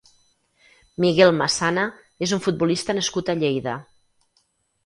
Miguel Massana és un futbolista nascut a Lleida.